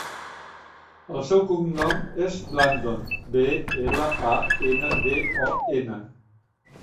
El seu cognom és Blandon: be, ela, a, ena, de, o, ena.